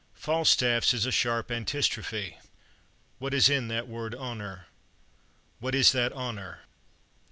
Falstaff's is a sharp antistrophe: "What is in that word honor? What is that honor?